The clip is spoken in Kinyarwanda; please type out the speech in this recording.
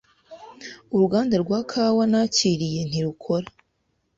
Uruganda rwa kawa nakiriye ntirukora.